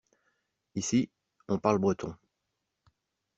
Ici on parle breton.